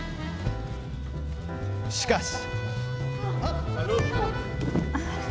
しかし。